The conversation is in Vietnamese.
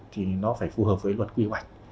thì nó phải phù hợp với luật quy hoạch